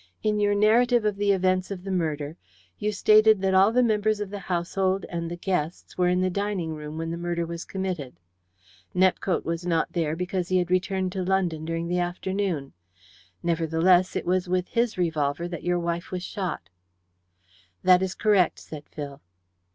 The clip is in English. "In your narrative of the events of the murder you stated that all the members of the household and the guests were in the dining room when the murder was committed. Nepcote was not there because he had returned to London during the afternoon. Nevertheless, it was with his revolver that your wife was shot." "That is correct," said Phil.